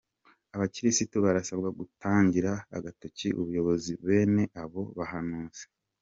Abakirisitu barasabwa gutungira agatoki ubuyobozi bene abo bahanuzi .